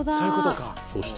そして。